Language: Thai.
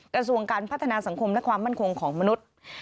กระทรวงการพัฒนาสังคมและความมั่นคงของมนุษย์